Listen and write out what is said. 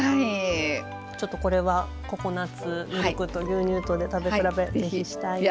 ちょっとこれはココナツミルクと牛乳とで食べ比べしたいです。